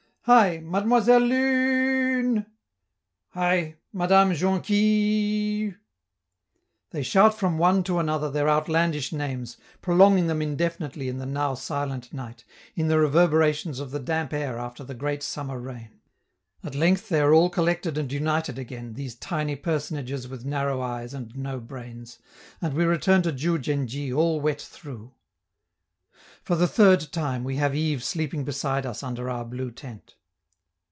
"Hi! Mademoiselle Lu u u u une!" "Hi! Madame Jonqui i i i ille!" They shout from one to another their outlandish names, prolonging them indefinitely in the now silent night, in the reverberations of the damp air after the great summer rain. At length they are all collected and united again, these tiny personages with narrow eyes and no brains, and we return to Diou djen dji all wet through. For the third time, we have Yves sleeping beside us under our blue tent.